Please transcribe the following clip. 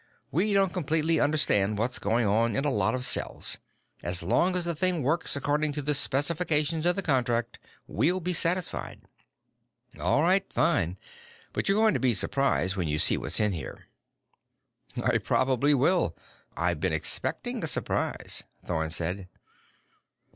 "We don't completely understand what's going on in a lot of cells. As long as the thing works according to the specifications in the contract, we'll be satisfied." "All right. Fine. But you're going to be surprised when you see what's in here." "I probably will. I've been expecting a surprise," Thorn said.